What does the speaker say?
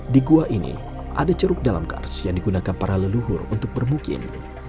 di gua ini ada ceruk dalam kars yang digunakan para leluhur untuk bermukim